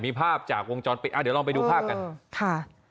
มีภาพจากวงจรปิดอ่ะเดี๋ยวลองไปดูภาพกันค่ะ